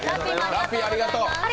ラッピーありがとう。